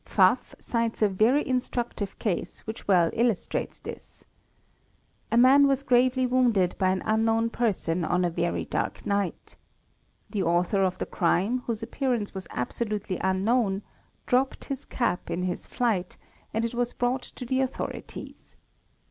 Pfaff ™® cites a very instructive case which well illustrates this: A man was gravely wounded by an unknown person on a very dark night. The author of the crime, whose appearance was absolutely unknown, dropped his cap in his flight and it was brought to the authorities.